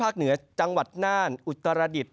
เหนือจังหวัดน่านอุตรดิษฐ